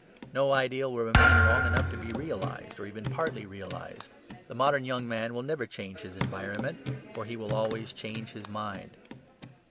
No ideal will remain long enough to be realized, or even partly realized. The modern young man will never change his environment; for he will always change his mind.